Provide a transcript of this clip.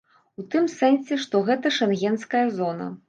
У тым сэнсе, што гэта шэнгенская зона.